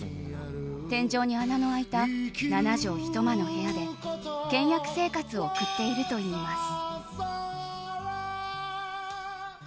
天井に穴の開いた７畳一間の部屋で倹約生活を送っているといいます。